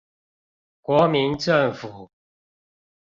國民政府